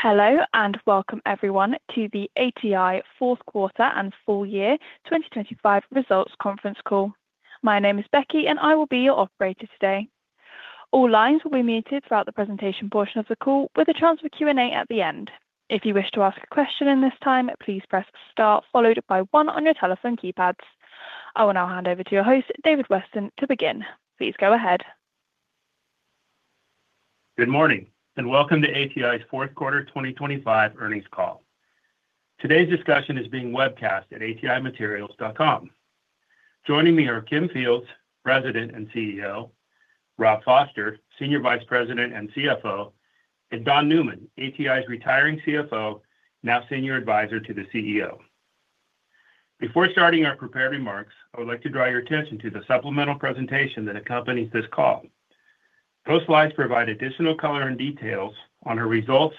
Hello and welcome everyone to the ATI fourth Quarter and Full Year 2025 Results Conference Call. My name is Becky, and I will be your operator today. All lines will be muted throughout the presentation portion of the call with a chance for Q&A at the end. If you wish to ask a question at this time, please press star followed by one on your telephone keypads. I will now hand over to your host, David Weston, to begin. Please go ahead. Good morning and welcome to ATI's fourth quarter 2025 earnings call. Today's discussion is being webcast at ATImaterials.com. Joining me are Kim Fields, President and CEO; Rob Foster, senior vice president and CFO; and Don Newman, ATI's retiring CFO, now senior advisor to the CEO. Before starting our prepared remarks, I would like to draw your attention to the supplemental presentation that accompanies this call. Both slides provide additional color and details on our results,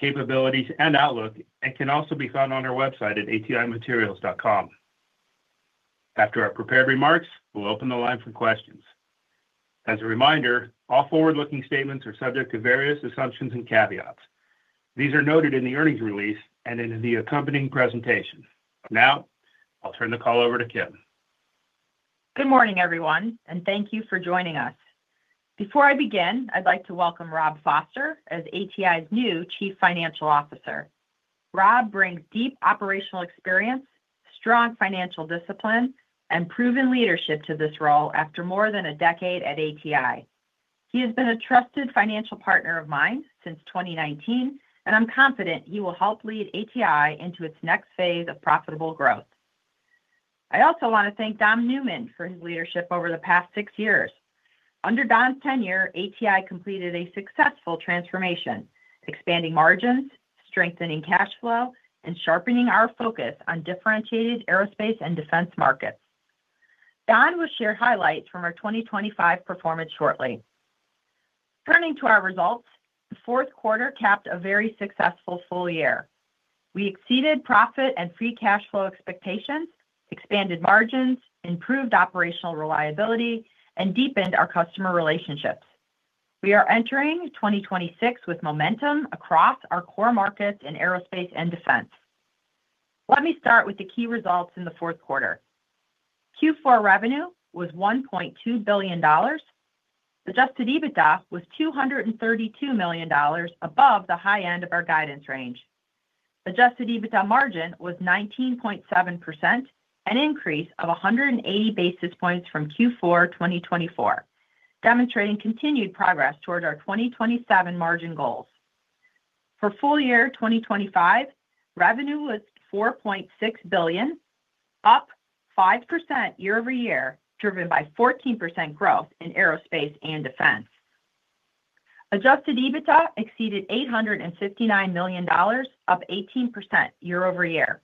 capabilities, and outlook, and can also be found on our website at ATImaterials.com. After our prepared remarks, we'll open the line for questions. As a reminder, all forward-looking statements are subject to various assumptions and caveats. These are noted in the earnings release and in the accompanying presentation. Now I'll turn the call over to Kim. Good morning, everyone, and thank you for joining us. Before I begin, I'd like to welcome Rob Foster as ATI's new Chief Financial Officer. Rob brings deep operational experience, strong financial discipline, and proven leadership to this role after more than a decade at ATI. He has been a trusted financial partner of mine since 2019, and I'm confident he will help lead ATI into its next phase of profitable growth. I also want to thank Don Newman for his leadership over the past six years. Under Don's tenure, ATI completed a successful transformation, expanding margins, strengthening cash flow, and sharpening our focus on differentiated aerospace and defense markets. Don will share highlights from our 2025 performance shortly. Turning to our results, the fourth quarter capped a very successful full year. We exceeded profit and free cash flow expectations, expanded margins, improved operational reliability, and deepened our customer relationships. We are entering 2026 with momentum across our core markets in aerospace and defense. Let me start with the key results in the fourth quarter. Q4 revenue was $1.2 billion. Adjusted EBITDA was $232 million above the high end of our guidance range. Adjusted EBITDA margin was 19.7%, an increase of 180 basis points from Q4 2024, demonstrating continued progress toward our 2027 margin goals. For full year 2025, revenue was $4.6 billion, up 5% year over year driven by 14% growth in aerospace and defense. Adjusted EBITDA exceeded $859 million, up 18% year over year.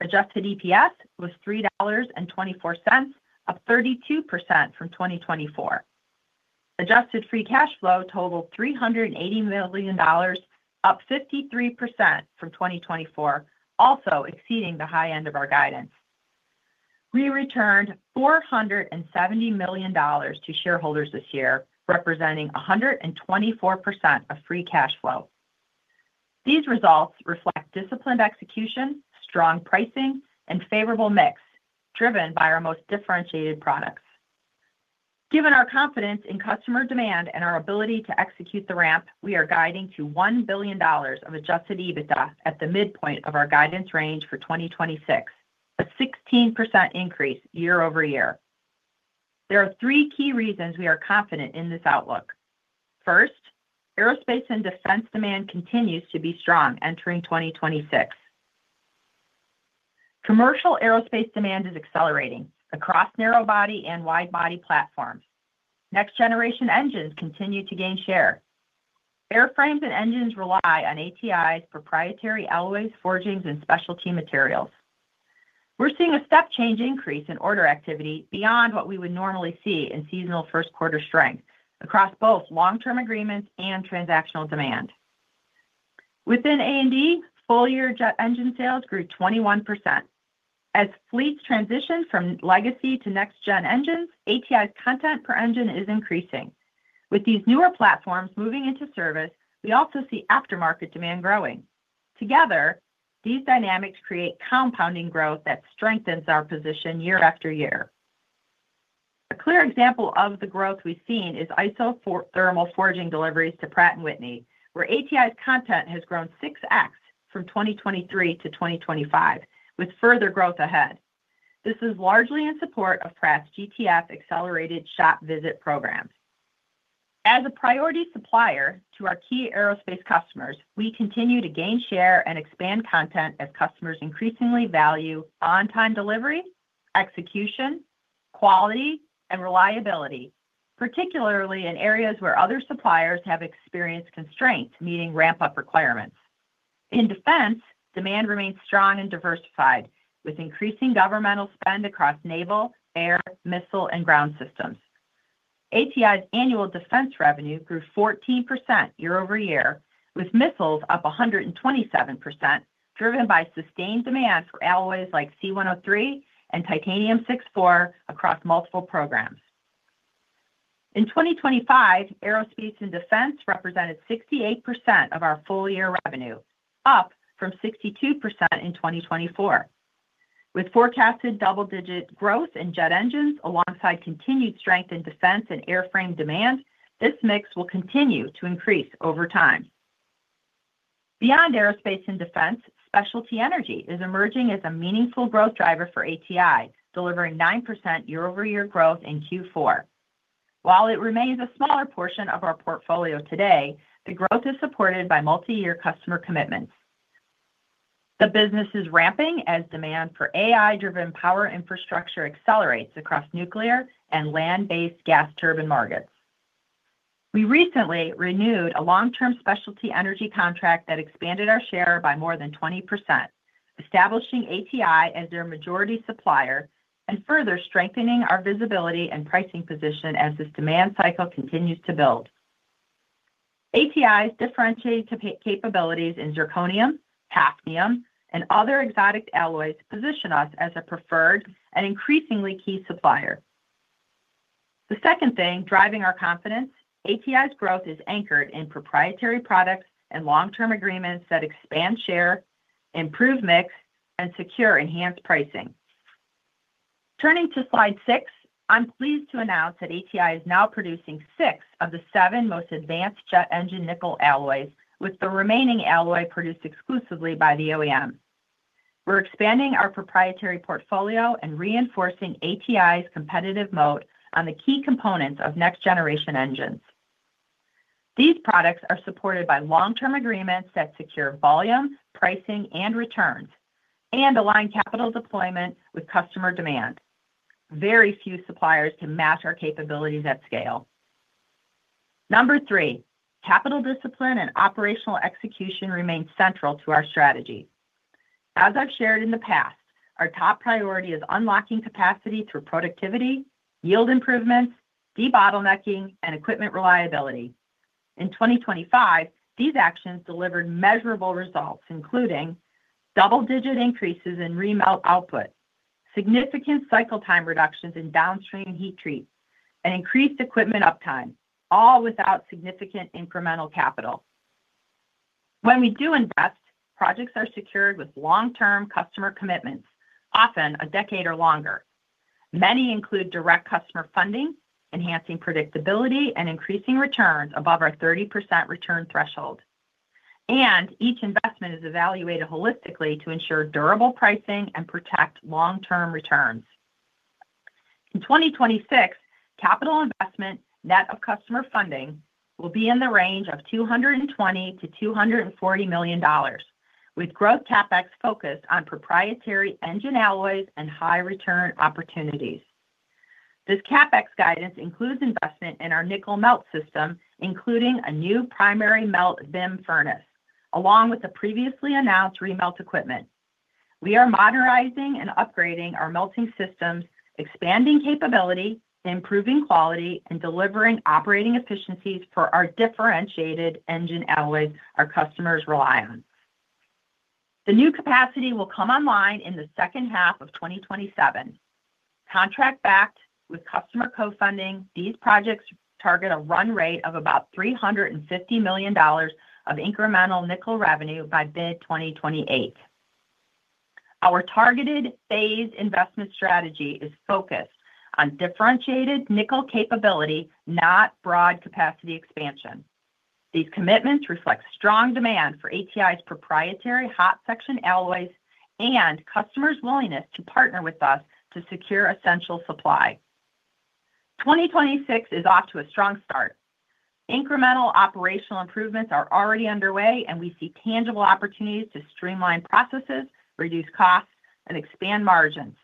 Adjusted EPS was $3.24, up 32% from 2024. Adjusted free cash flow totaled $380 million, up 53% from 2024, also exceeding the high end of our guidance. We returned $470 million to shareholders this year, representing 124% of free cash flow. These results reflect disciplined execution, strong pricing, and favorable mix driven by our most differentiated products. Given our confidence in customer demand and our ability to execute the ramp, we are guiding to $1 billion of adjusted EBITDA at the midpoint of our guidance range for 2026, a 16% increase year-over-year. There are three key reasons we are confident in this outlook. First, aerospace and defense demand continues to be strong entering 2026. Commercial aerospace demand is accelerating across narrow-body and wide-body platforms. Next-generation engines continue to gain share. Airframes and engines rely on ATI's proprietary alloys, forgings, and specialty materials. We're seeing a step-change increase in order activity beyond what we would normally see in seasonal first-quarter strength across both long-term agreements and transactional demand. Within A&D, full-year engine sales grew 21%. As fleets transition from legacy to next-gen engines, ATI's content per engine is increasing. With these newer platforms moving into service, we also see aftermarket demand growing. Together, these dynamics create compounding growth that strengthens our position year after year. A clear example of the growth we've seen is isothermal forging deliveries to Pratt & Whitney, where ATI's content has grown 6x from 2023 to 2025, with further growth ahead. This is largely in support of Pratt's GTF accelerated shop visit programs. As a priority supplier to our key aerospace customers, we continue to gain share and expand content as customers increasingly value on-time delivery, execution, quality, and reliability, particularly in areas where other suppliers have experienced constraints meeting ramp-up requirements. In defense, demand remains strong and diversified, with increasing governmental spend across naval, air, missile, and ground systems. ATI's annual defense revenue grew 14% year-over-year, with missiles up 127% driven by sustained demand for alloys like C103 and titanium 6-4 across multiple programs. In 2025, aerospace and defense represented 68% of our full-year revenue, up from 62% in 2024. With forecasted double-digit growth in jet engines alongside continued strength in defense and airframe demand, this mix will continue to increase over time. Beyond aerospace and defense, specialty energy is emerging as a meaningful growth driver for ATI, delivering 9% year-over-year growth in Q4. While it remains a smaller portion of our portfolio today, the growth is supported by multi-year customer commitments. The business is ramping as demand for AI-driven power infrastructure accelerates across nuclear and land-based gas turbine markets. We recently renewed a long-term specialty energy contract that expanded our share by more than 20%, establishing ATI as their majority supplier and further strengthening our visibility and pricing position as this demand cycle continues to build. ATI's differentiated capabilities in zirconium, hafnium, and other exotic alloys position us as a preferred and increasingly key supplier. The second thing driving our confidence: ATI's growth is anchored in proprietary products and long-term agreements that expand share, improve mix, and secure enhanced pricing. Turning to slide six, I'm pleased to announce that ATI is now producing six of the seven most advanced jet engine nickel alloys, with the remaining alloy produced exclusively by the OEM. We're expanding our proprietary portfolio and reinforcing ATI's competitive moat on the key components of next-generation engines. These products are supported by long-term agreements that secure volume, pricing, and returns, and align capital deployment with customer demand. Very few suppliers can match our capabilities at scale. Number three, capital discipline and operational execution remain central to our strategy. As I've shared in the past, our top priority is unlocking capacity through productivity, yield improvements, debottlenecking, and equipment reliability. In 2025, these actions delivered measurable results, including double-digit increases in remelt output, significant cycle-time reductions in downstream heat treat, and increased equipment uptime, all without significant incremental capital. When we do invest, projects are secured with long-term customer commitments, often a decade or longer. Many include direct customer funding, enhancing predictability, and increasing returns above our 30% return threshold. And each investment is evaluated holistically to ensure durable pricing and protect long-term returns. In 2026, capital investment net of customer funding will be in the range of $220 million-$240 million, with growth capex focused on proprietary engine alloys and high-return opportunities. This CapEx guidance includes investment in our nickel melt system, including a new primary melt VIM furnace, along with the previously announced remelt equipment. We are modernizing and upgrading our melting systems, expanding capability, improving quality, and delivering operating efficiencies for our differentiated engine alloys our customers rely on. The new capacity will come online in the second half of 2027. Contract-backed with customer co-funding, these projects target a run rate of about $350 million of incremental nickel revenue by mid-2028. Our targeted phase investment strategy is focused on differentiated nickel capability, not broad capacity expansion. These commitments reflect strong demand for ATI's proprietary hot section alloys and customers' willingness to partner with us to secure essential supply. 2026 is off to a strong start. Incremental operational improvements are already underway, and we see tangible opportunities to streamline processes, reduce costs, and expand margins.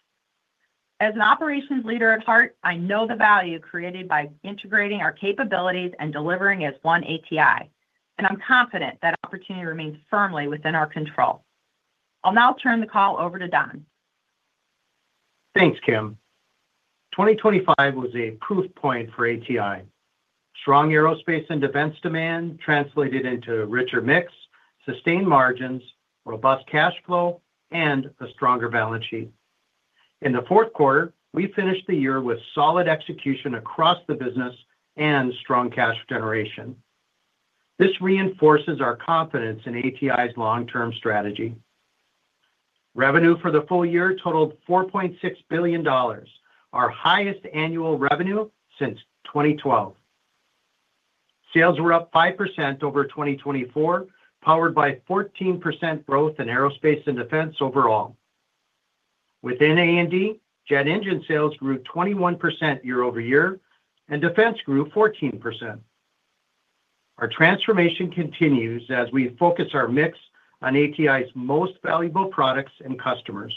As an operations leader at heart, I know the value created by integrating our capabilities and delivering as one ATI, and I'm confident that opportunity remains firmly within our control. I'll now turn the call over to Don. Thanks, Kim. 2025 was a proof point for ATI. Strong aerospace and defense demand translated into a richer mix, sustained margins, robust cash flow, and a stronger balance sheet. In the fourth quarter, we finished the year with solid execution across the business and strong cash generation. This reinforces our confidence in ATI's long-term strategy. Revenue for the full year totaled $4.6 billion, our highest annual revenue since 2012. Sales were up 5% over 2024, powered by 14% growth in aerospace and defense overall. Within A&D, jet engine sales grew 21% year-over-year, and defense grew 14%. Our transformation continues as we focus our mix on ATI's most valuable products and customers.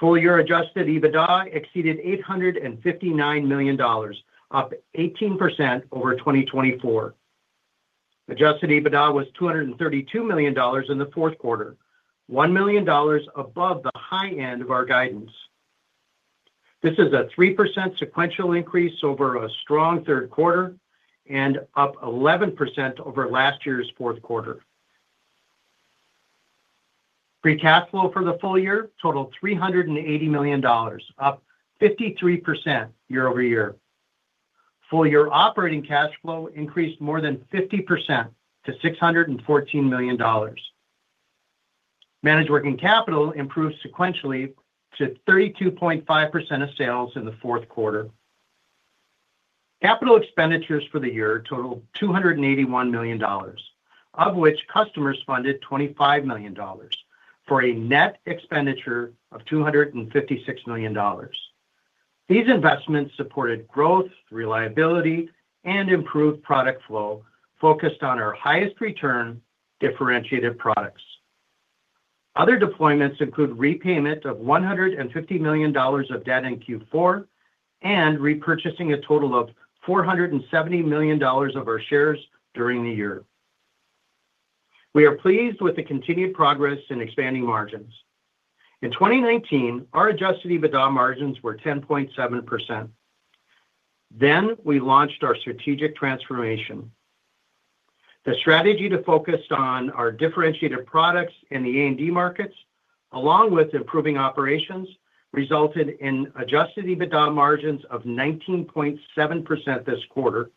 Full-year adjusted EBITDA exceeded $859 million, up 18% over 2024. Adjusted EBITDA was $232 million in the fourth quarter, $1 million above the high end of our guidance. This is a 3% sequential increase over a strong third quarter and up 11% over last year's fourth quarter. Free cash flow for the full year totaled $380 million, up 53% year-over-year. Full-year operating cash flow increased more than 50% to $614 million. Managed working capital improved sequentially to 32.5% of sales in the fourth quarter. Capital expenditures for the year totaled $281 million, of which customers funded $25 million, for a net expenditure of $256 million. These investments supported growth, reliability, and improved product flow focused on our highest return differentiated products. Other deployments include repayment of $150 million of debt in Q4 and repurchasing a total of $470 million of our shares during the year. We are pleased with the continued progress in expanding margins. In 2019, our adjusted EBITDA margins were 10.7%. Then we launched our strategic transformation. The strategy to focus on our differentiated products in the A&D markets, along with improving operations, resulted in adjusted EBITDA margins of 19.7% this quarter,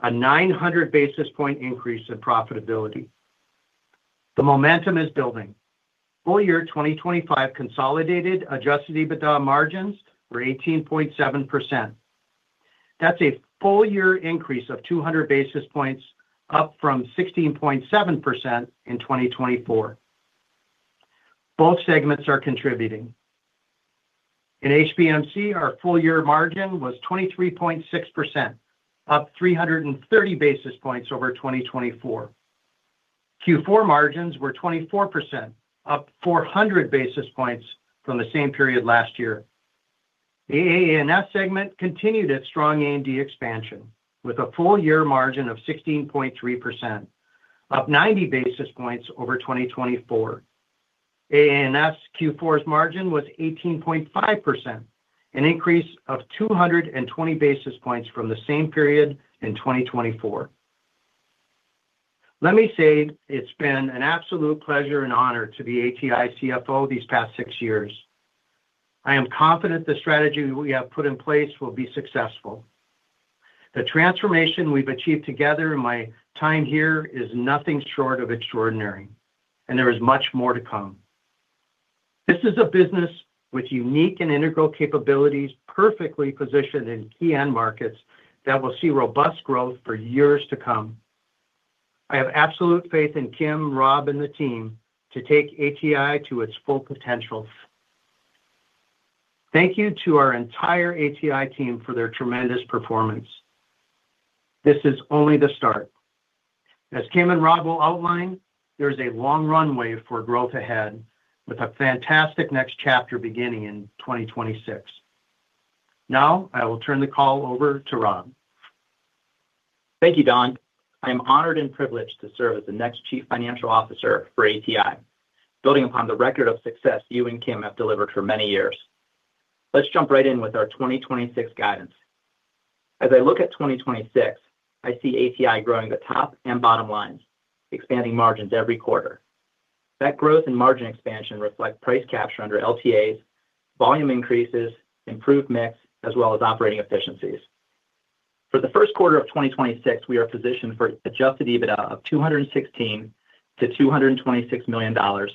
a 900 basis point increase in profitability. The momentum is building. Full year 2025 consolidated adjusted EBITDA margins were 18.7%. That's a full-year increase of 200 basis points, up from 16.7% in 2024. Both segments are contributing. In HPMC, our full-year margin was 23.6%, up 330 basis points over 2024. Q4 margins were 24%, up 400 basis points from the same period last year. The AA&S segment continued its strong A&D expansion with a full-year margin of 16.3%, up 90 basis points over 2024. AA&S Q4's margin was 18.5%, an increase of 220 basis points from the same period in 2024. Let me say it's been an absolute pleasure and honor to be ATI CFO these past six years. I am confident the strategy we have put in place will be successful. The transformation we've achieved together in my time here is nothing short of extraordinary, and there is much more to come. This is a business with unique and integral capabilities perfectly positioned in key end markets that will see robust growth for years to come. I have absolute faith in Kim, Rob, and the team to take ATI to its full potential. Thank you to our entire ATI team for their tremendous performance. This is only the start. As Kim and Rob will outline, there is a long runway for growth ahead with a fantastic next chapter beginning in 2026. Now I will turn the call over to Rob. Thank you, Don. I am honored and privileged to serve as the next Chief Financial Officer for ATI, building upon the record of success you and Kim have delivered for many years. Let's jump right in with our 2026 guidance. As I look at 2026, I see ATI growing the top and bottom lines, expanding margins every quarter. That growth and margin expansion reflect price capture under LTAs, volume increases, improved mix, as well as operating efficiencies. For the first quarter of 2026, we are positioned for adjusted EBITDA of $216 million-$226 million,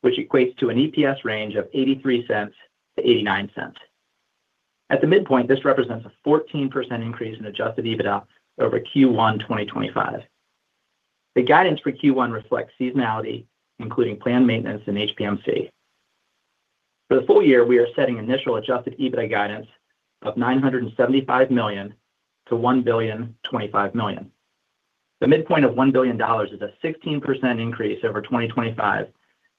which equates to an EPS range of $0.83-$0.89. At the midpoint, this represents a 14% increase in adjusted EBITDA over Q1 2025. The guidance for Q1 reflects seasonality, including planned maintenance in HPMC. For the full year, we are setting initial adjusted EBITDA guidance of $975 million-$1.025 billion. The midpoint of $1 billion is a 16% increase over 2025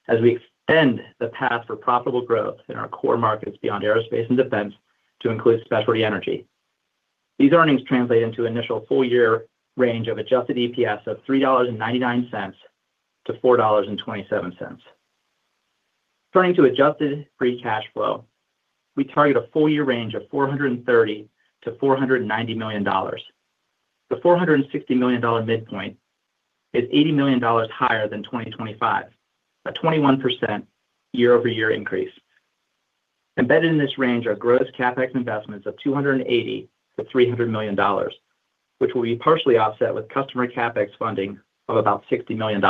as we extend the path for profitable growth in our core markets beyond aerospace and defense to include specialty energy. These earnings translate into an initial full-year range of adjusted EPS of $3.99-$4.27. Turning to adjusted free cash flow, we target a full-year range of $430 million-$490 million. The $460 million midpoint is $80 million higher than 2025, a 21% year-over-year increase. Embedded in this range are growth capex investments of $280 million-$300 million, which will be partially offset with customer capex funding of about $60 million.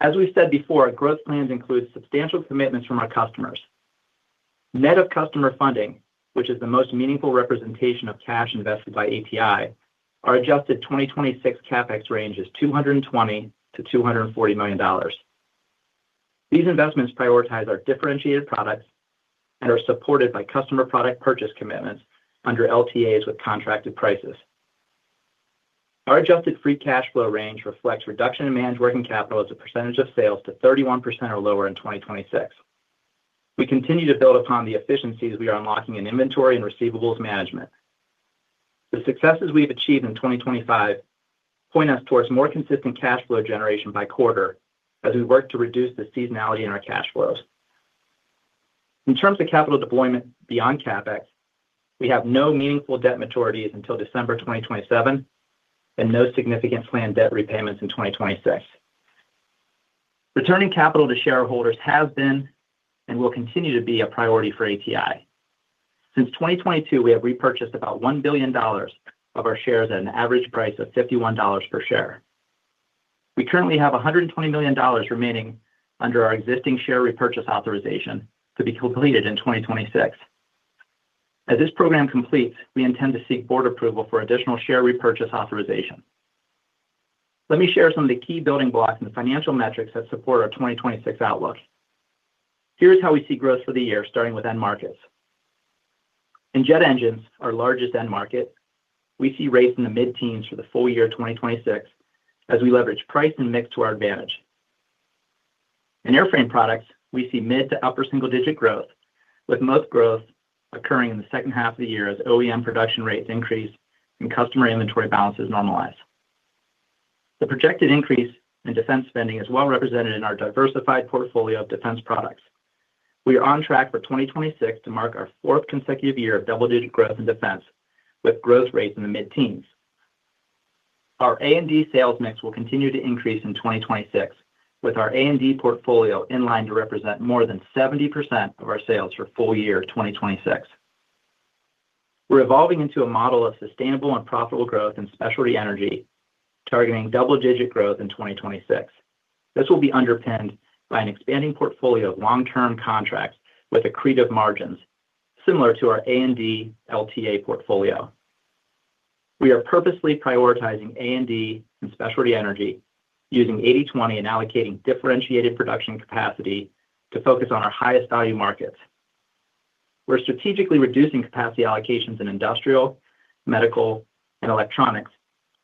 As we've said before, growth plans include substantial commitments from our customers. Net of customer funding, which is the most meaningful representation of cash invested by ATI, our adjusted 2026 capex range is $220 million-$240 million. These investments prioritize our differentiated products and are supported by customer product purchase commitments under LTAs with contracted prices. Our adjusted free cash flow range reflects reduction in managed working capital as a percentage of sales to 31% or lower in 2026. We continue to build upon the efficiencies we are unlocking in inventory and receivables management. The successes we've achieved in 2025 point us towards more consistent cash flow generation by quarter as we work to reduce the seasonality in our cash flows. In terms of capital deployment beyond CapEx, we have no meaningful debt maturities until December 2027 and no significant planned debt repayments in 2026. Returning capital to shareholders has been and will continue to be a priority for ATI. Since 2022, we have repurchased about $1 billion of our shares at an average price of $51 per share. We currently have $120 million remaining under our existing share repurchase authorization to be completed in 2026. As this program completes, we intend to seek board approval for additional share repurchase authorization. Let me share some of the key building blocks and financial metrics that support our 2026 outlook. Here's how we see growth for the year, starting with end markets. In jet engines, our largest end market, we see rates in the mid-teens for the full year 2026 as we leverage price and mix to our advantage. In airframe products, we see mid to upper single-digit growth, with most growth occurring in the second half of the year as OEM production rates increase and customer inventory balances normalize. The projected increase in defense spending is well represented in our diversified portfolio of defense products. We are on track for 2026 to mark our fourth consecutive year of double-digit growth in defense, with growth rates in the mid-teens. Our A&D sales mix will continue to increase in 2026, with our A&D portfolio in line to represent more than 70% of our sales for full year 2026. We're evolving into a model of sustainable and profitable growth in specialty energy, targeting double-digit growth in 2026. This will be underpinned by an expanding portfolio of long-term contracts with accretive margins, similar to our A&D LTA portfolio. We are purposely prioritizing A&D and specialty energy, using 80/20 and allocating differentiated production capacity to focus on our highest value markets. We're strategically reducing capacity allocations in industrial, medical, and electronics,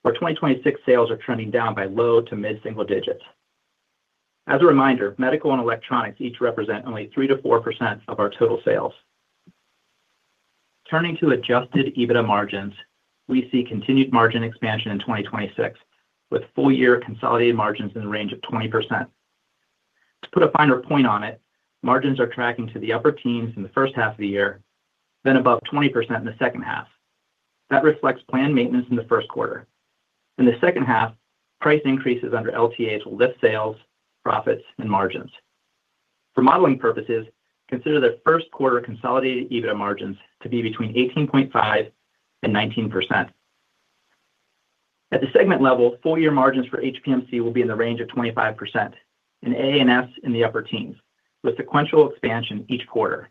where 2026 sales are trending down by low to mid-single digits. As a reminder, medical and electronics each represent only 3%-4% of our total sales. Turning to adjusted EBITDA margins, we see continued margin expansion in 2026, with full-year consolidated margins in the range of 20%. To put a finer point on it, margins are tracking to the upper teens in the first half of the year, then above 20% in the second half. That reflects plan maintenance in the first quarter. In the second half, price increases under LTAs will lift sales, profits, and margins. For modeling purposes, consider the first quarter consolidated EBITDA margins to be between 18.5%-19%. At the segment level, full-year margins for HPMC will be in the range of 25%, and AA&S in the upper teens, with sequential expansion each quarter.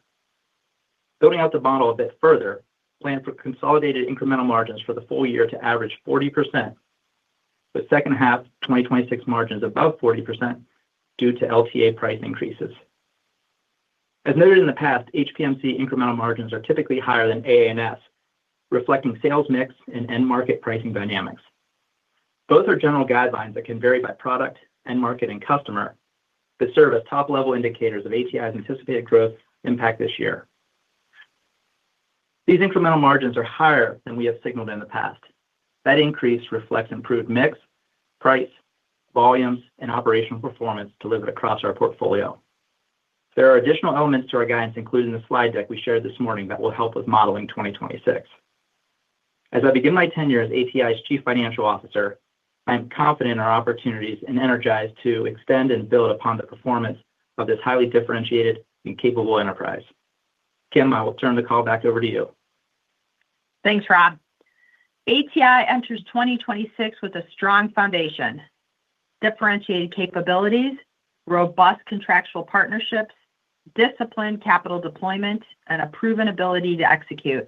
Building out the model a bit further, plan for consolidated incremental margins for the full year to average 40%, with second half 2026 margins above 40% due to LTA price increases. As noted in the past, HPMC incremental margins are typically higher than AA&S, reflecting sales mix and end market pricing dynamics. Both are general guidelines that can vary by product, end market, and customer, but serve as top-level indicators of ATI's anticipated growth impact this year. These incremental margins are higher than we have signaled in the past. That increase reflects improved mix, price, volumes, and operational performance delivered across our portfolio. There are additional elements to our guidance, including the slide deck we shared this morning, that will help with modeling 2026. As I begin my tenure as ATI's Chief Financial Officer, I am confident in our opportunities and energized to extend and build upon the performance of this highly differentiated and capable enterprise. Kim, I will turn the call back over to you. Thanks, Rob. ATI enters 2026 with a strong foundation: differentiated capabilities, robust contractual partnerships, disciplined capital deployment, and a proven ability to execute.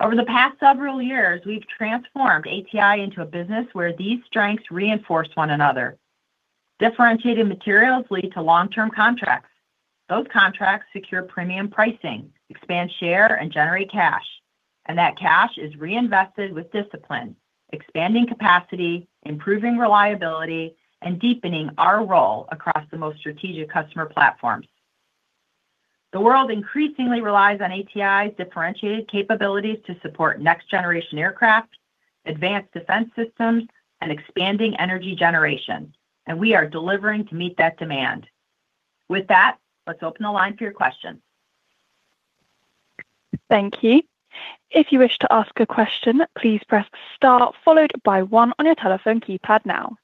Over the past several years, we've transformed ATI into a business where these strengths reinforce one another. Differentiated materials lead to long-term contracts. Those contracts secure premium pricing, expand share, and generate cash. And that cash is reinvested with discipline, expanding capacity, improving reliability, and deepening our role across the most strategic customer platforms. The world increasingly relies on ATI's differentiated capabilities to support next-generation aircraft, advanced defense systems, and expanding energy generation, and we are delivering to meet that demand. With that, let's open the line for your questions. Thank you. If you wish to ask a question, please press star followed by one on your telephone keypad now.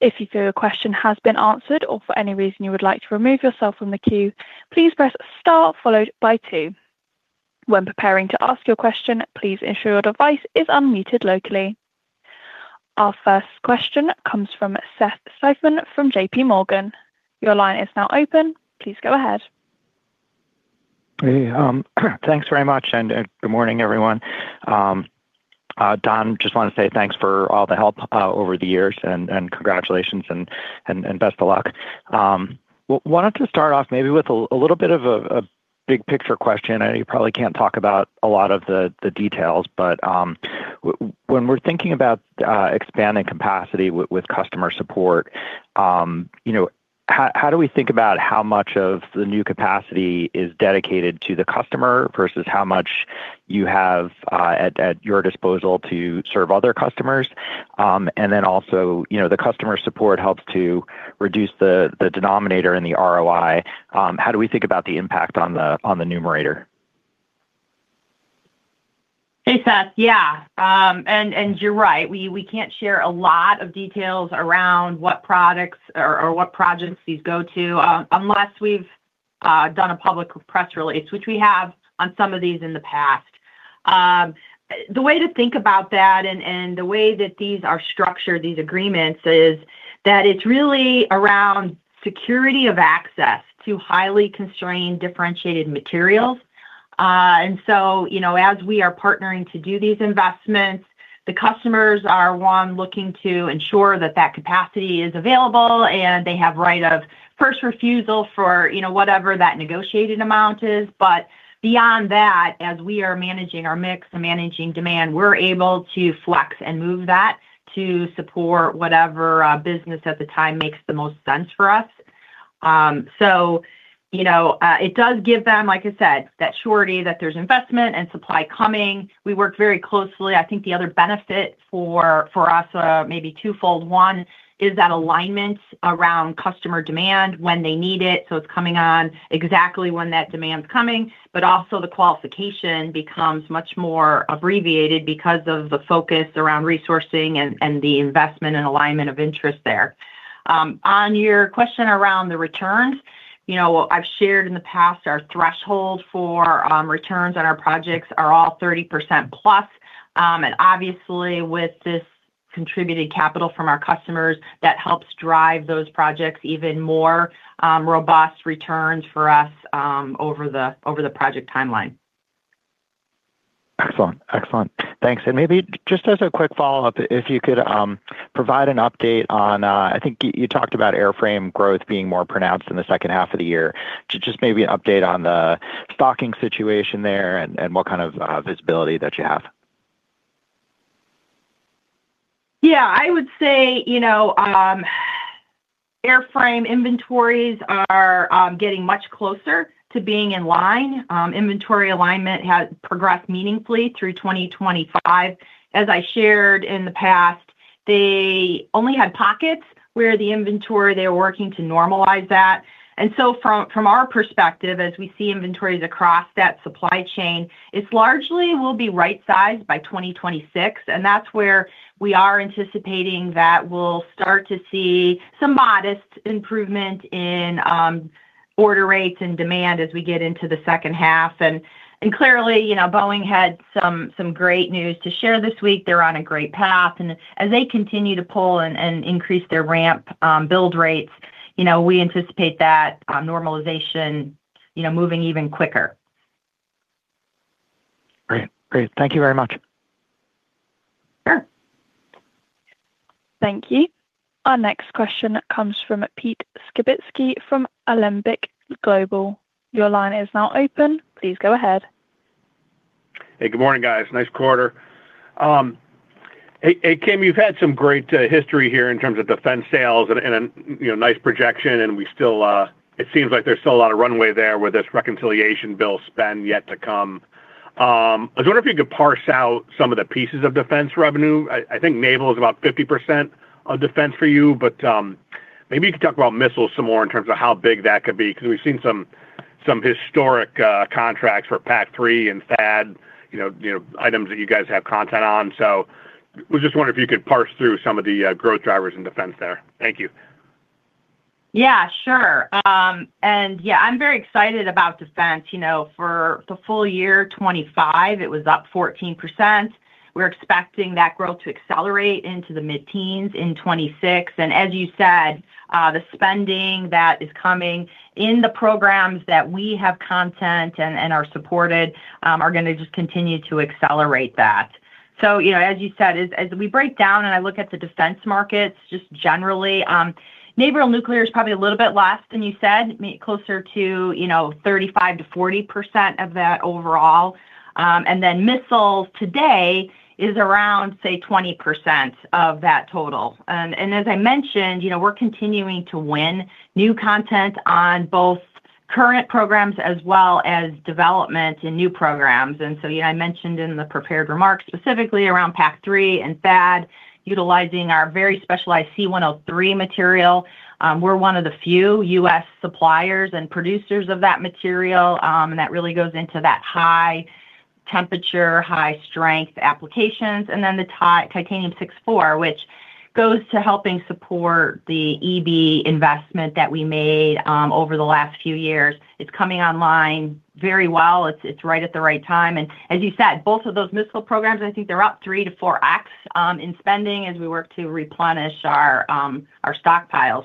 If you feel your question has been answered or for any reason you would like to remove yourself from the queue, please press star followed by two. When preparing to ask your question, please ensure your device is unmuted locally. Our first question comes from Seth Seifman from JPMorgan. Your line is now open. Please go ahead. Hey. Thanks very much, and good morning, everyone. Don, just want to say thanks for all the help over the years, and congratulations, and best of luck. Wanted to start off maybe with a little bit of a big-picture question. I know you probably can't talk about a lot of the details, but when we're thinking about expanding capacity with customer support, how do we think about how much of the new capacity is dedicated to the customer versus how much you have at your disposal to serve other customers? And then also, the customer support helps to reduce the denominator in the ROI. How do we think about the impact on the numerator? Hey, Seth. Yeah. And you're right. We can't share a lot of details around what products or what projects these go to unless we've done a public press release, which we have on some of these in the past. The way to think about that and the way that these are structured, these agreements, is that it's really around security of access to highly constrained differentiated materials. And so as we are partnering to do these investments, the customers are, one, looking to ensure that that capacity is available, and they have right of first refusal for whatever that negotiated amount is. But beyond that, as we are managing our mix and managing demand, we're able to flex and move that to support whatever business at the time makes the most sense for us. So it does give them, like I said, that surety that there's investment and supply coming. We work very closely. I think the other benefit for us, maybe twofold, one, is that alignment around customer demand when they need it. So it's coming on exactly when that demand's coming, but also the qualification becomes much more abbreviated because of the focus around resourcing and the investment and alignment of interest there. On your question around the returns, I've shared in the past our threshold for returns on our projects are all 30%+. And obviously, with this contributed capital from our customers, that helps drive those projects even more robust returns for us over the project timeline. Excellent. Excellent. Thanks. And maybe just as a quick follow-up, if you could provide an update on I think you talked about airframe growth being more pronounced in the second half of the year. Just maybe an update on the stocking situation there and what kind of visibility that you have. Yeah. I would say airframe inventories are getting much closer to being in line. Inventory alignment has progressed meaningfully through 2025. As I shared in the past, they only had pockets where the inventory they were working to normalize that. And so from our perspective, as we see inventories across that supply chain, it largely will be right-sized by 2026. And that's where we are anticipating that we'll start to see some modest improvement in order rates and demand as we get into the second half. And clearly, Boeing had some great news to share this week. They're on a great path. And as they continue to pull and increase their ramp build rates, we anticipate that normalization moving even quicker. Great. Great. Thank you very much. Sure. Thank you. Our next question comes from Pete Skibitzki from Alembic Global. Your line is now open. Please go ahead. Hey. Good morning, guys. Nice quarter. Hey, Kim, you've had some great history here in terms of defense sales and a nice projection. And it seems like there's still a lot of runway there with this reconciliation bill spend yet to come. I was wondering if you could parse out some of the pieces of defense revenue. I think naval is about 50% of defense for you, but maybe you could talk about missiles some more in terms of how big that could be because we've seen some historic contracts for PAC-3 and THAAD, items that you guys have content on. So I was just wondering if you could parse through some of the growth drivers in defense there. Thank you. Yeah. Sure. And yeah, I'm very excited about defense. For the full year 2025, it was up 14%. We're expecting that growth to accelerate into the mid-teens in 2026. And as you said, the spending that is coming in the programs that we have content and are supported are going to just continue to accelerate that. So as you said, as we break down and I look at the defense markets just generally, naval and nuclear is probably a little bit less than you said, closer to 35%-40% of that overall. And then missiles today is around, say, 20% of that total. And as I mentioned, we're continuing to win new content on both current programs as well as development in new programs. And so I mentioned in the prepared remarks specifically around PAC-3 and THAAD, utilizing our very specialized C-103 material. We're one of the few U.S. suppliers and producers of that material. That really goes into that high-temperature, high-strength applications. Then the titanium-64, which goes to helping support the EB investment that we made over the last few years. It's coming online very well. It's right at the right time. As you said, both of those missile programs, I think they're up 3x-4x in spending as we work to replenish our stockpiles.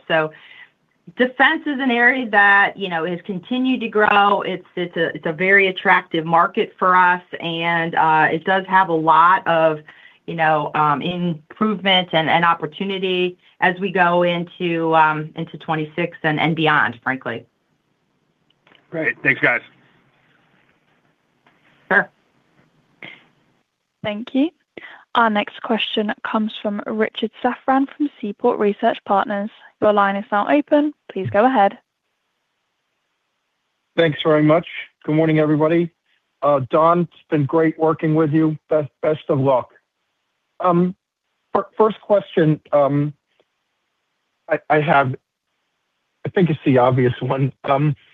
defense is an area that has continued to grow. It's a very attractive market for us, and it does have a lot of improvement and opportunity as we go into 2026 and beyond, frankly. Great. Thanks, guys. Sure. Thank you. Our next question comes from Richard Safran from Seaport Research Partners. Your line is now open. Please go ahead. Thanks very much. Good morning, everybody. Don, it's been great working with you. Best of luck. First question, I think it's the obvious one. Are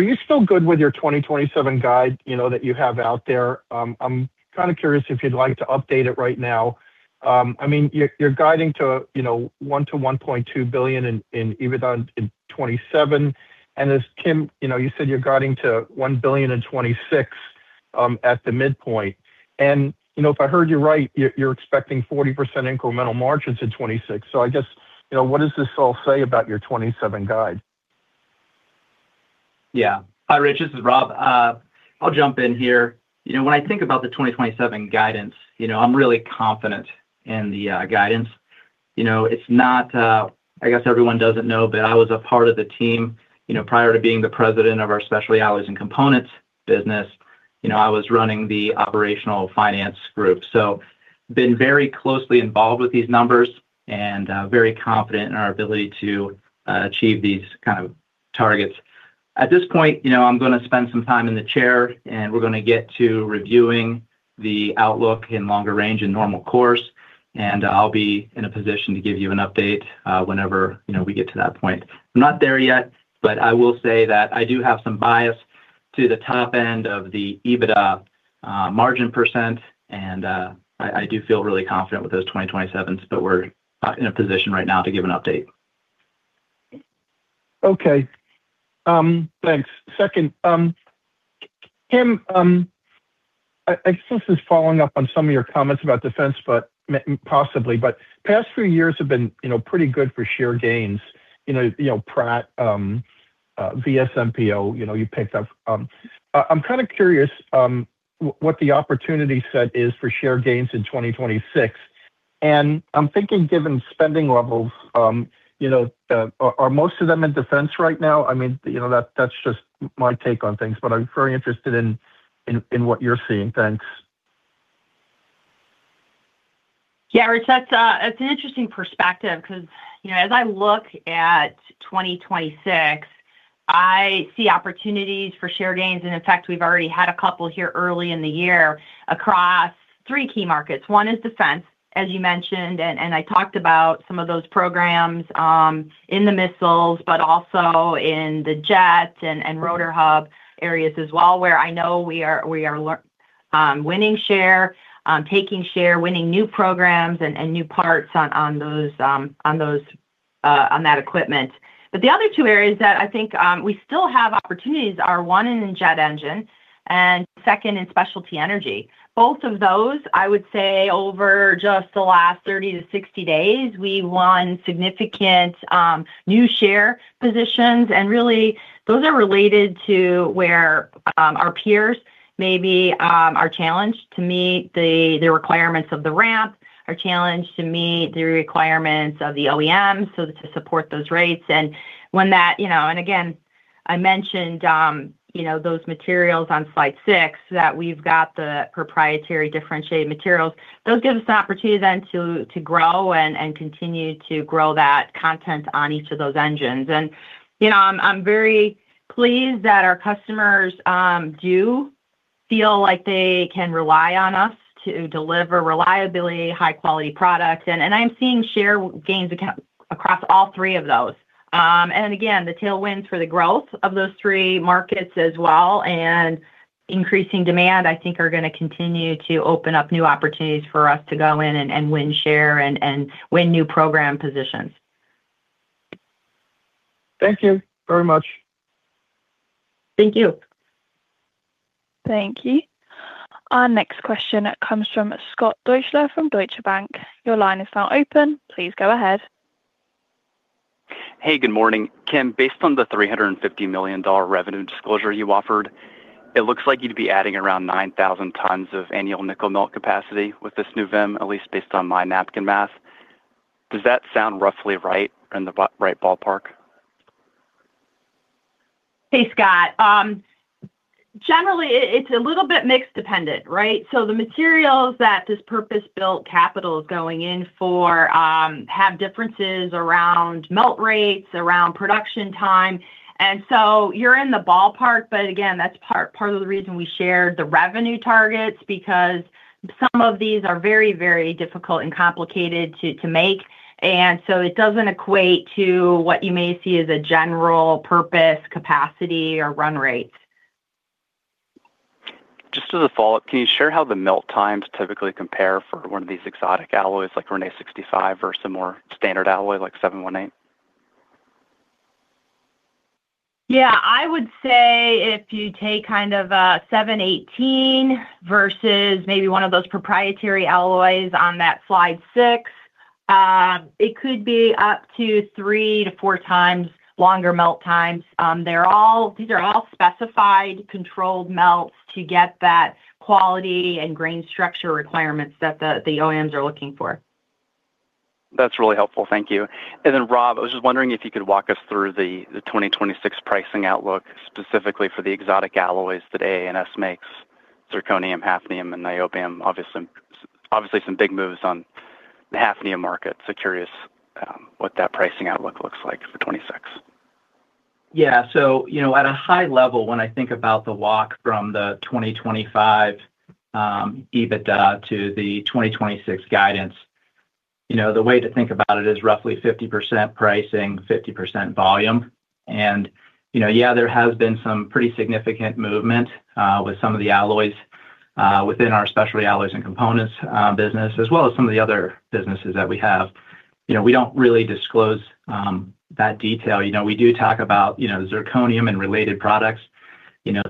you still good with your 2027 guide that you have out there? I'm kind of curious if you'd like to update it right now. I mean, you're guiding to $1 billion-$1.2 billion in EBITDA in 2027. And as Kim, you said you're guiding to $1 billion in 2026 at the midpoint. And if I heard you right, you're expecting 40% incremental margins in 2026. So I guess, what does this all say about your 2027 guide? Yeah. Hi, Rich. This is Rob. I'll jump in here. When I think about the 2027 guidance, I'm really confident in the guidance. It's not. I guess everyone doesn't know, but I was a part of the team prior to being the president of our Special Alloys and Components business. I was running the operational finance group. So been very closely involved with these numbers and very confident in our ability to achieve these kind of targets. At this point, I'm going to spend some time in the chair, and we're going to get to reviewing the outlook in longer range and normal course. And I'll be in a position to give you an update whenever we get to that point. I'm not there yet, but I will say that I do have some bias to the top end of the EBITDA margin %, and I do feel really confident with those 2027s, but we're in a position right now to give an update. Okay. Thanks. Second, Kim, I guess this is following up on some of your comments about defense, possibly, but past few years have been pretty good for share gains. Pratt, VSMPO, you picked up. I'm kind of curious what the opportunity set is for share gains in 2026. And I'm thinking, given spending levels, are most of them in defense right now? I mean, that's just my take on things, but I'm very interested in what you're seeing. Thanks. Yeah, Rich, that's an interesting perspective because as I look at 2026, I see opportunities for share gains. In fact, we've already had a couple here early in the year across three key markets. One is defense, as you mentioned, and I talked about some of those programs in the missiles, but also in the jet and rotor hub areas as well, where I know we are winning share, taking share, winning new programs and new parts on that equipment. But the other two areas that I think we still have opportunities are, one, in jet engine, and second, in specialty energy. Both of those, I would say, over just the last 30-60 days, we won significant new share positions. And really, those are related to where our peers maybe are challenged to meet the requirements of the ramp, are challenged to meet the requirements of the OEMs to support those rates. And when that and again, I mentioned those materials on slide six that we've got the proprietary differentiated materials. Those give us an opportunity then to grow and continue to grow that content on each of those engines. And I'm very pleased that our customers do feel like they can rely on us to deliver reliability, high-quality products. And I'm seeing share gains across all three of those. And again, the tailwinds for the growth of those three markets as well and increasing demand, I think, are going to continue to open up new opportunities for us to go in and win share and win new program positions. Thank you very much. Thank you. Thank you. Our next question comes from Scott Deuschle from Deutsche Bank. Your line is now open. Please go ahead. Hey. Good morning. Kim, based on the $350 million revenue disclosure you offered, it looks like you'd be adding around 9,000 tons of annual nickel melt capacity with this new VIM, at least based on my napkin math. Does that sound roughly right or in the right ballpark? Hey, Scott. Generally, it's a little bit mixed-dependent, right? So the materials that this purpose-built capital is going in for have differences around melt rates, around production time. And so you're in the ballpark. But again, that's part of the reason we shared the revenue targets because some of these are very, very difficult and complicated to make. And so it doesn't equate to what you may see as a general purpose capacity or run rates. Just as a follow-up, can you share how the melt times typically compare for one of these exotic alloys like René 65 versus a more standard alloy like 718? Yeah. I would say if you take kind of a 718 versus maybe one of those proprietary alloys on that slide six, it could be up to 3x-4x longer melt times. These are all specified controlled melts to get that quality and grain structure requirements that the OEMs are looking for. That's really helpful. Thank you. Rob, I was just wondering if you could walk us through the 2026 pricing outlook specifically for the exotic alloys that AA&S makes: zirconium, hafnium, and niobium. Obviously, some big moves on the hafnium market. So curious what that pricing outlook looks like for 2026. Yeah. So at a high level, when I think about the walk from the 2025 EBITDA to the 2026 guidance, the way to think about it is roughly 50% pricing, 50% volume. And yeah, there has been some pretty significant movement with some of the alloys within our specialty alloys and components business, as well as some of the other businesses that we have. We don't really disclose that detail. We do talk about zirconium and related products.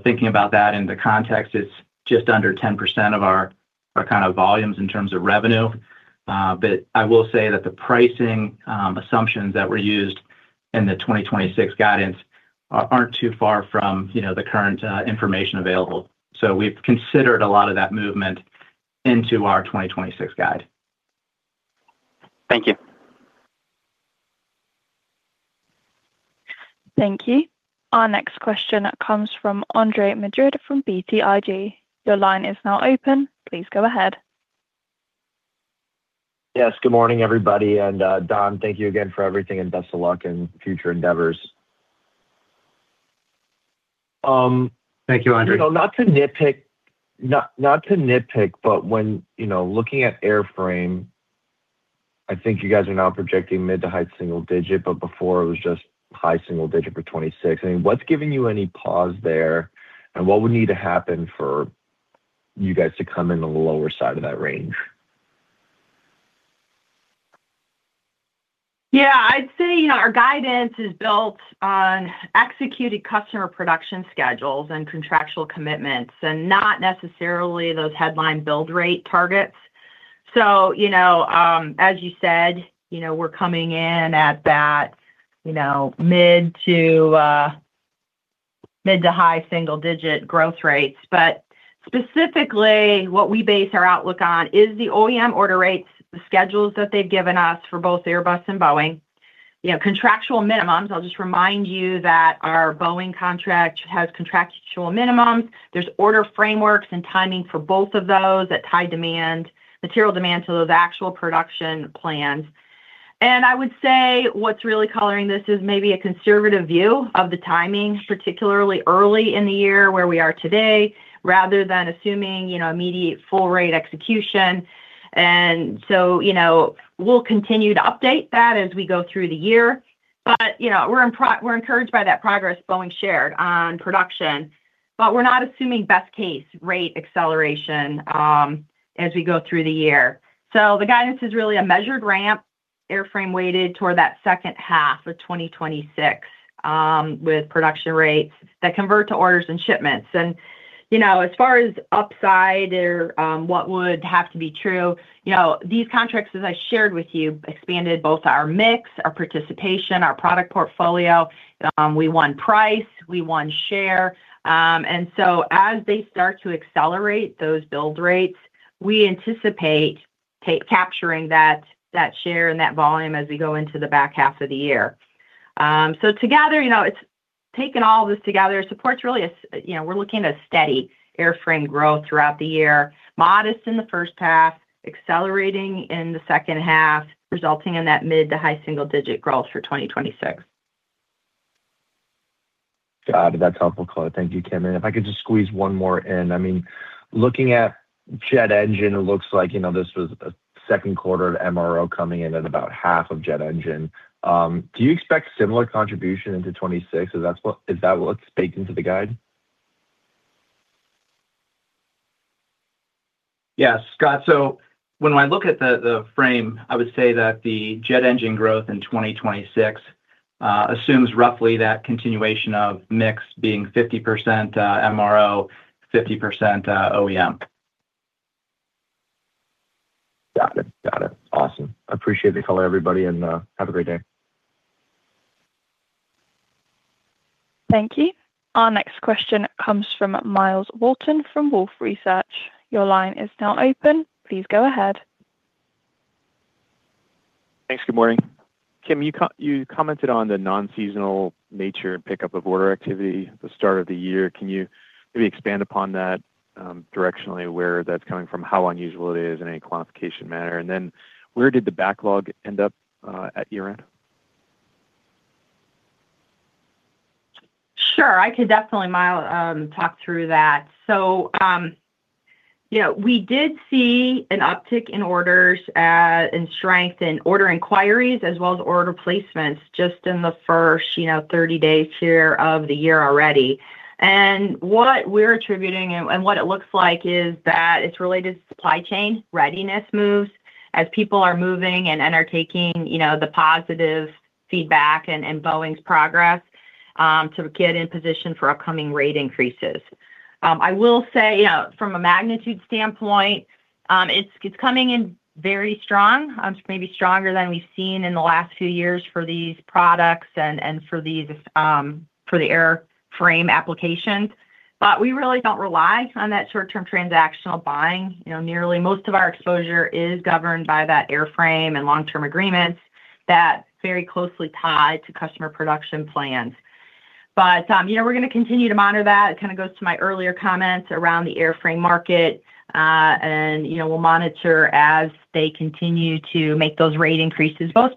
Thinking about that in the context, it's just under 10% of our kind of volumes in terms of revenue. But I will say that the pricing assumptions that were used in the 2026 guidance aren't too far from the current information available. So we've considered a lot of that movement into our 2026 guide. Thank you. Thank you. Our next question comes from Andre Medrud from BTIG. Your line is now open. Please go ahead. Yes. Good morning, everybody. Don, thank you again for everything, and best of luck in future endeavors. Thank you, Andrew. Not to nitpick, not to nitpick, but when looking at airframe, I think you guys are now projecting mid- to high-single-digit, but before, it was just high-single-digit for 2026. I mean, what's giving you any pause there, and what would need to happen for you guys to come in on the lower side of that range? Yeah. I'd say our guidance is built on executed customer production schedules and contractual commitments and not necessarily those headline build rate targets. So as you said, we're coming in at that mid- to high single-digit growth rates. But specifically, what we base our outlook on is the OEM order rates, the schedules that they've given us for both Airbus and Boeing. Contractual minimums. I'll just remind you that our Boeing contract has contractual minimums. There's order frameworks and timing for both of those that tie material demand to those actual production plans. And I would say what's really coloring this is maybe a conservative view of the timing, particularly early in the year where we are today, rather than assuming immediate full-rate execution. And so we'll continue to update that as we go through the year. But we're encouraged by that progress Boeing shared on production. We're not assuming best-case rate acceleration as we go through the year. The guidance is really a measured ramp, airframe-weighted, toward that second half of 2026 with production rates that convert to orders and shipments. As far as upside or what would have to be true, these contracts, as I shared with you, expanded both our mix, our participation, our product portfolio. We won price. We won share. So as they start to accelerate those build rates, we anticipate capturing that share and that volume as we go into the back half of the year. Together, taking all this together, it supports really a we're looking at a steady airframe growth throughout the year, modest in the first half, accelerating in the second half, resulting in that mid- to high-single-digit growth for 2026. Got it. That's helpful, Claude. Thank you, Kim. If I could just squeeze one more in. I mean, looking at jet engine, it looks like this was a second quarter of MRO coming in at about half of jet engine. Do you expect similar contribution into 2026? Is that what's baked into the guide? Yes, Scott. So when I look at the frame, I would say that the jet engine growth in 2026 assumes roughly that continuation of mix being 50% MRO, 50% OEM. Got it. Got it. Awesome. Appreciate the call, everybody, and have a great day. Thank you. Our next question comes from Myles Walton from Wolfe Research. Your line is now open. Please go ahead. Thanks. Good morning. Kim, you commented on the non-seasonal nature and pickup of order activity at the start of the year. Can you maybe expand upon that directionally, where that's coming from, how unusual it is, in any quantification manner? And then where did the backlog end up at year-end? Sure. I could definitely, Miles, talk through that. So we did see an uptick in orders and strength in order inquiries as well as order placements just in the first 30 days here of the year already. And what we're attributing and what it looks like is that it's related to supply chain readiness moves as people are moving and anticipating the positive feedback and Boeing's progress to get in position for upcoming rate increases. I will say, from a magnitude standpoint, it's coming in very strong, maybe stronger than we've seen in the last few years for these products and for the airframe applications. But we really don't rely on that short-term transactional buying. Nearly most of our exposure is governed by those airframe and long-term agreements that are very closely tied to customer production plans. But we're going to continue to monitor that. It kind of goes to my earlier comments around the airframe market. We'll monitor as they continue to make those rate increases, both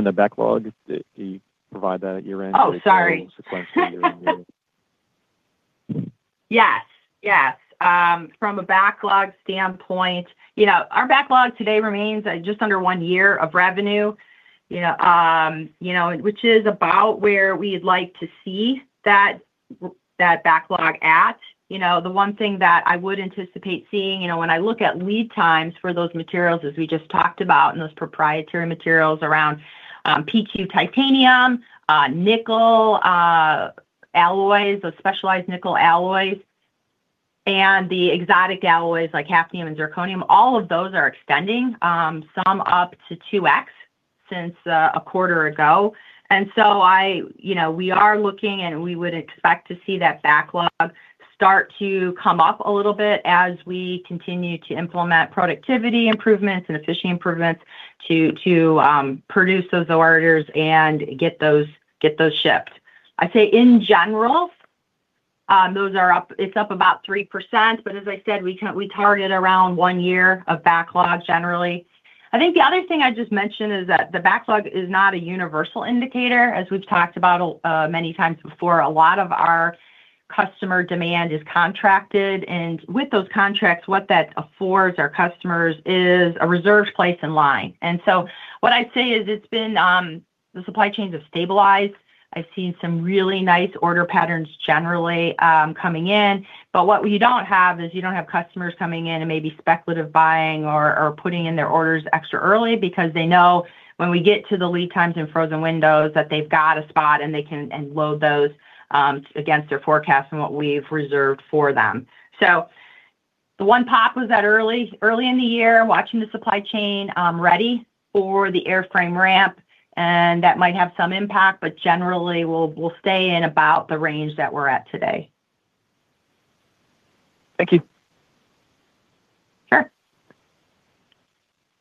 Boeing and Airbus, and update that as we see opportunities. The backlog, do you provide that at year-end or the sequence from year-end to year-end? Yes. Yes. From a backlog standpoint, our backlog today remains just under one year of revenue, which is about where we'd like to see that backlog at. The one thing that I would anticipate seeing when I look at lead times for those materials, as we just talked about, and those proprietary materials around PQ titanium, nickel alloys, those specialized nickel alloys, and the exotic alloys like hafnium and zirconium, all of those are extending, some up to 2x since a quarter ago. And so we are looking, and we would expect to see that backlog start to come up a little bit as we continue to implement productivity improvements and efficiency improvements to produce those orders and get those shipped. I'd say, in general, it's up about 3%. But as I said, we target around one year of backlog, generally. I think the other thing I just mentioned is that the backlog is not a universal indicator. As we've talked about many times before, a lot of our customer demand is contracted. And with those contracts, what that affords our customers is a reserved place in line. And so what I'd say is the supply chains have stabilized. I've seen some really nice order patterns, generally, coming in. But what you don't have is you don't have customers coming in and maybe speculative buying or putting in their orders extra early because they know when we get to the lead times and frozen windows that they've got a spot and load those against their forecast and what we've reserved for them. So the one pop was that early in the year, watching the supply chain ready for the airframe ramp. That might have some impact, but generally, we'll stay in about the range that we're at today. Thank you. Sure.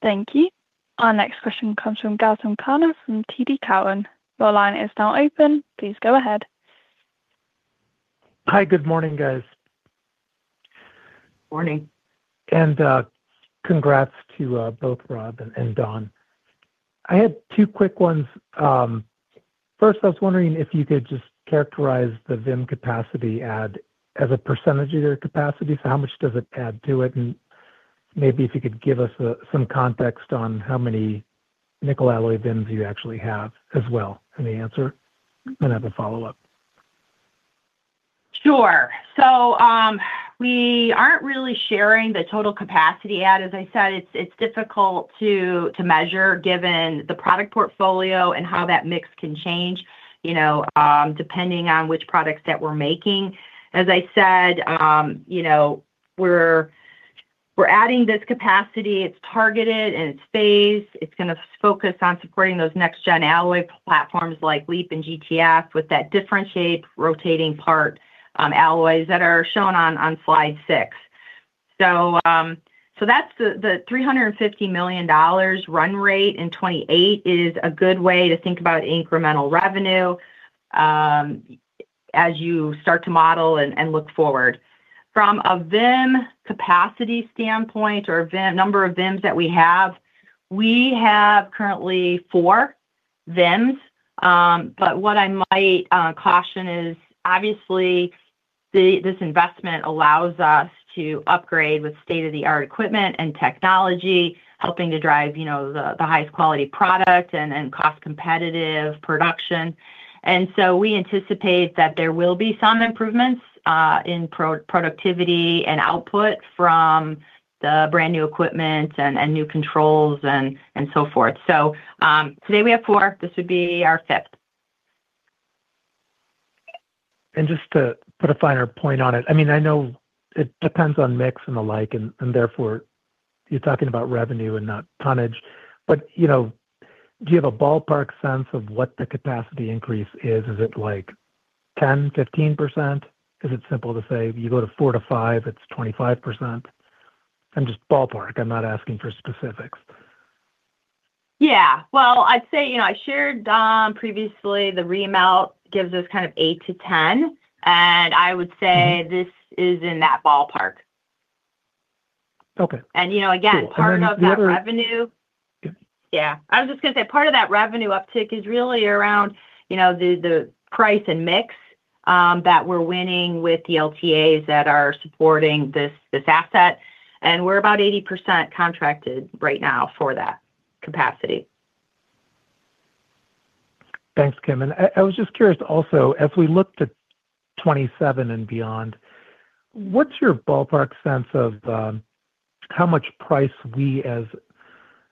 Thank you. Our next question comes from Gautam Khanna from TD Cowen. Your line is now open. Please go ahead. Hi. Good morning, guys. Morning. Congrats to both Rob and Don. I had two quick ones. First, I was wondering if you could just characterize the VIM capacity as a percentage of your capacity. So how much does it add to it? And maybe if you could give us some context on how many nickel alloy VIMs you actually have as well in the answer. I'm going to have a follow-up. Sure. So we aren't really sharing the total capacity add. As I said, it's difficult to measure given the product portfolio and how that mix can change depending on which products that we're making. As I said, we're adding this capacity. It's targeted, and it's phased. It's going to focus on supporting those next-gen alloy platforms like LEAP and GTF with that differentiate rotating part alloys that are shown on slide 6. So that's the $350 million run rate in 2028 is a good way to think about incremental revenue as you start to model and look forward. From a VIM capacity standpoint or number of VIMs that we have, we have currently 4 VIMs. But what I might caution is, obviously, this investment allows us to upgrade with state-of-the-art equipment and technology, helping to drive the highest-quality product and cost-competitive production. We anticipate that there will be some improvements in productivity and output from the brand new equipment and new controls and so forth. So today, we have four. This would be our fifth. Just to put a finer point on it, I mean, I know it depends on mix and the like. Therefore, you're talking about revenue and not tonnage. But do you have a ballpark sense of what the capacity increase is? Is it like 10%, 15%? Is it simple to say, "You go to 4 to 5, it's 25%"? I'm just ballpark. I'm not asking for specifics. Yeah. Well, I'd say I shared previously the remelt gives us kind of 8-10. And I would say this is in that ballpark. And again, part of that revenue yeah. I was just going to say part of that revenue uptick is really around the price and mix that we're winning with the LTAs that are supporting this asset. And we're about 80% contracted right now for that capacity. Thanks, Kim. And I was just curious also, as we look to 2027 and beyond, what's your ballpark sense of how much price we, as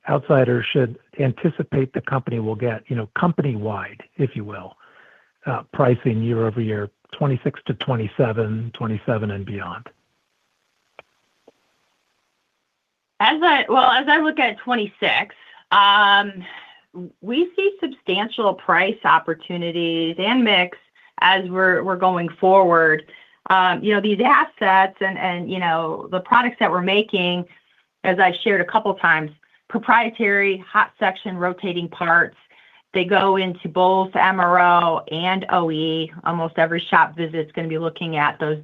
outsiders, should anticipate the company will get, company-wide, if you will, pricing year over year, 2026 to 2027, 2027 and beyond? Well, as I look at 2026, we see substantial price opportunities and mix as we're going forward. These assets and the products that we're making, as I shared a couple of times, proprietary hot section rotating parts, they go into both MRO and OE. Almost every shop visit is going to be looking at those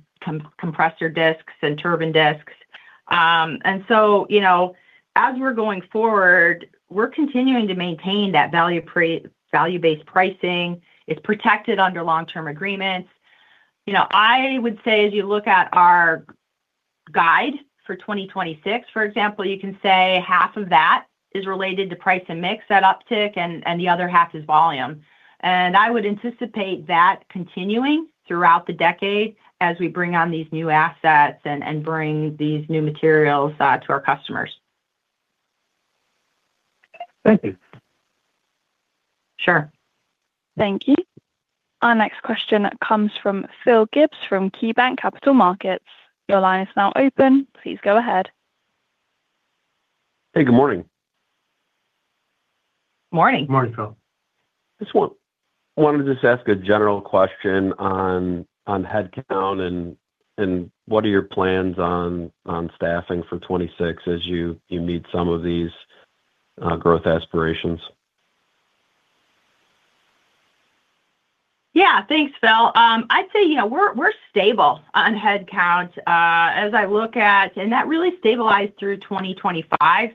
compressor discs and turbine discs. And so as we're going forward, we're continuing to maintain that value-based pricing. It's protected under long-term agreements. I would say, as you look at our guide for 2026, for example, you can say half of that is related to price and mix, that uptick, and the other half is volume. And I would anticipate that continuing throughout the decade as we bring on these new assets and bring these new materials to our customers. Thank you. Sure. Thank you. Our next question comes from Phil Gibbs from KeyBanc Capital Markets. Your line is now open. Please go ahead. Hey. Good morning. Morning. Morning, Phil. Just wanted to ask a general question on headcount and what are your plans on staffing for 2026 as you meet some of these growth aspirations? Yeah. Thanks, Phil. I'd say we're stable on headcount as I look at and that really stabilized through 2025.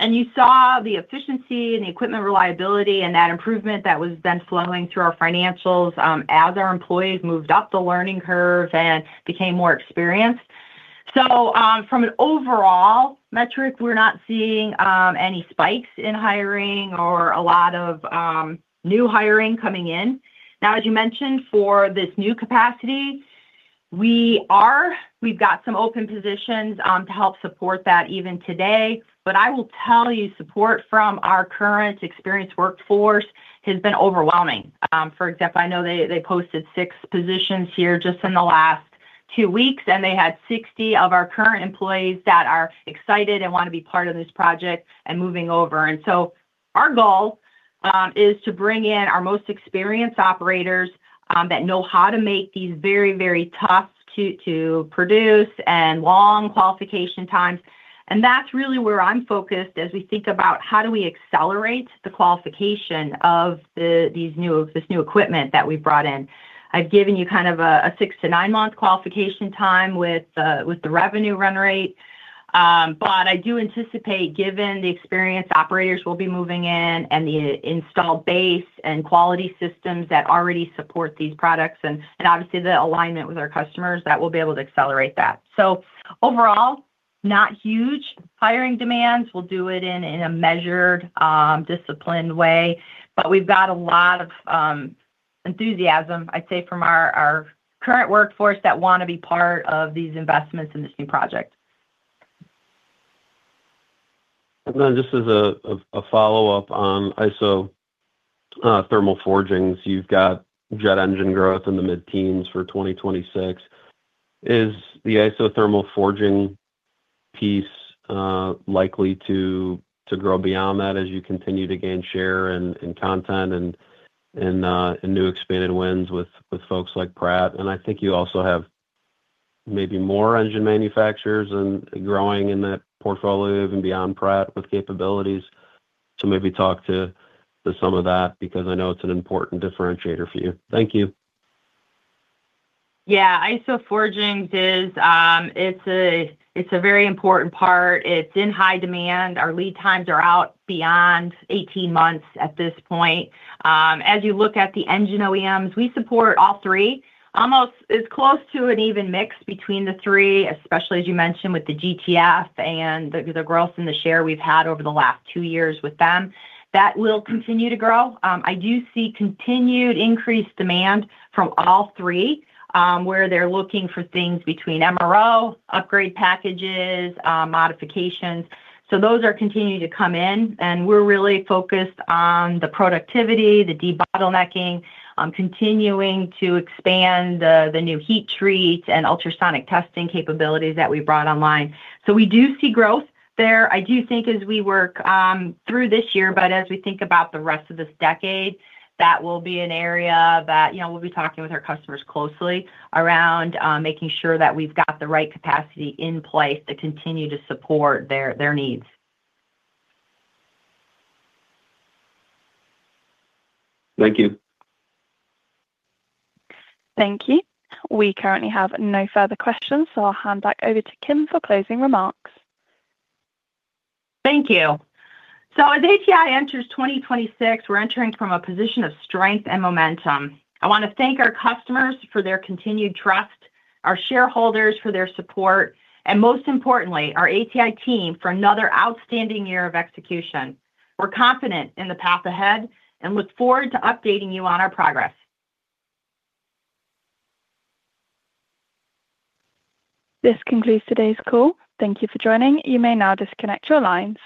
You saw the efficiency and the equipment reliability and that improvement that was then flowing through our financials as our employees moved up the learning curve and became more experienced. So from an overall metric, we're not seeing any spikes in hiring or a lot of new hiring coming in. Now, as you mentioned, for this new capacity, we've got some open positions to help support that even today. But I will tell you, support from our current experienced workforce has been overwhelming. For example, I know they posted 6 positions here just in the last 2 weeks, and they had 60 of our current employees that are excited and want to be part of this project and moving over. Our goal is to bring in our most experienced operators that know how to make these very, very tough to produce and long qualification times. That's really where I'm focused as we think about how do we accelerate the qualification of this new equipment that we've brought in. I've given you kind of a 6- to 9-month qualification time with the revenue run rate. I do anticipate, given the experienced operators will be moving in and the installed base and quality systems that already support these products and, obviously, the alignment with our customers, that we'll be able to accelerate that. Overall, not huge hiring demands. We'll do it in a measured, disciplined way. We've got a lot of enthusiasm, I'd say, from our current workforce that want to be part of these investments in this new project. Then just as a follow-up on isothermal forgings, you've got jet engine growth in the mid-teens for 2026. Is the isothermal forging piece likely to grow beyond that as you continue to gain share in content and new expanded wins with folks like Pratt? And I think you also have maybe more engine manufacturers growing in that portfolio even beyond Pratt with capabilities. So maybe talk to some of that because I know it's an important differentiator for you. Thank you. Yeah. Isothermal forgings, it's a very important part. It's in high demand. Our lead times are out beyond 18 months at this point. As you look at the engine OEMs, we support all three. It's close to an even mix between the three, especially, as you mentioned, with the GTF and the growth in the share we've had over the last two years with them. That will continue to grow. I do see continued increased demand from all three where they're looking for things between MRO, upgrade packages, modifications. So those are continuing to come in. And we're really focused on the productivity, the debottlenecking, continuing to expand the new heat treat and ultrasonic testing capabilities that we brought online. So we do see growth there. I do think as we work through this year, but as we think about the rest of this decade, that will be an area that we'll be talking with our customers closely around making sure that we've got the right capacity in place to continue to support their needs. Thank you. Thank you. We currently have no further questions. I'll hand back over to Kim for closing remarks. Thank you. So as ATI enters 2026, we're entering from a position of strength and momentum. I want to thank our customers for their continued trust, our shareholders for their support, and most importantly, our ATI team for another outstanding year of execution. We're confident in the path ahead and look forward to updating you on our progress. This concludes today's call. Thank you for joining. You may now disconnect your lines.